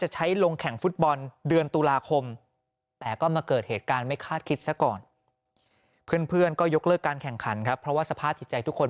หยุดหยุดหยุดหยุดหยุดหยุดหยุดหยุด